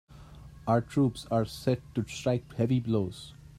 Our troops are set to strike heavy blows.